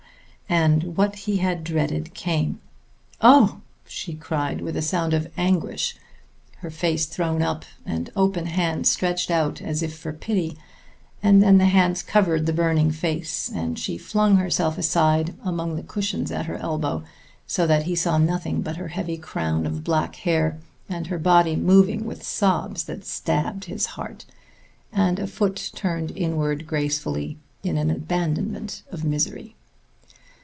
And what he had dreaded came. "Oh!" she cried with a sound of anguish, her face thrown up and open hands stretched out as if for pity; and then the hands covered the burning face, and she flung herself aside among the cushions at her elbow, so that he saw nothing but her heavy crown of black hair and her body moving with sobs that stabbed his heart, and a foot turned inward gracefully in an abandonment of misery.